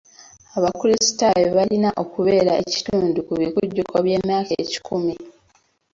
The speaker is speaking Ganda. Abakrisitaayo balina okubeera ekitundu ku bikujjuko by'emyaka ekikumi.